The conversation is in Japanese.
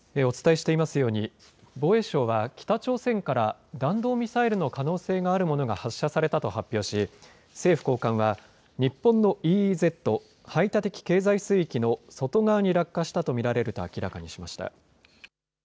お伝えしていますように防衛省は北朝鮮から弾道ミサイルの可能性があるものが発射されたと発表し政府高官は日本のＥＥＺ・排他的経済水域の外側に落下したと見られると明らかにしました。